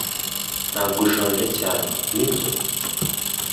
Ntabwo ushonje cyane, nibyo?